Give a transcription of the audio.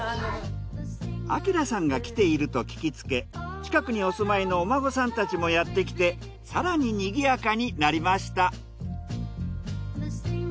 アキラさんが来ていると聞きつけ近くにお住まいのお孫さんたちもやってきて更ににぎやかになりました。